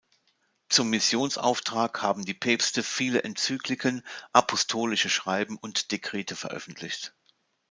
Zum Missionsauftrag haben die Päpste viele Enzykliken, apostolische Schreiben und Dekrete veröffentlicht.